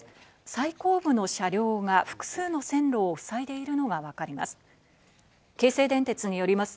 最後部の車両が複数の線路をふさいでいるのがわかります。